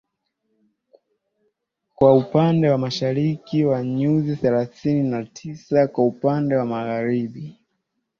kwa upande wa Mashariki na nyuzi thelathini na tisa kwa upande wa Magharibi